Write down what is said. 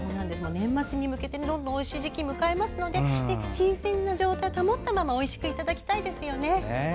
年末に向けてどんどんおいしい時期を迎えますので新鮮な状態を保ったままおいしくいただきたいですよね。